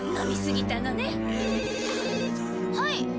はい。